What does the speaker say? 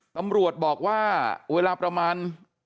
ตำรวจบอกว่าเวลาประมาณ